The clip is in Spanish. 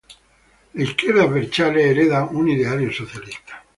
La izquierda "abertzale" hereda un ideario socialista.